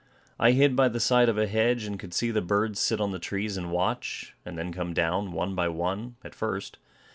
I hid by the side of a hedge, and could see the birds sit on the trees and watch, and then come down, one by one, at first.